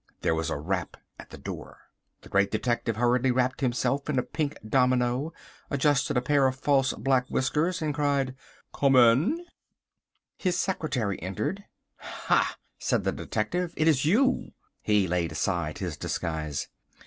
There was a rap at the door. The Great Detective hurriedly wrapped himself in a pink domino, adjusted a pair of false black whiskers and cried, "Come in." Illustration: "Come in." His secretary entered. "Ha," said the detective, "it is you!" He laid aside his disguise.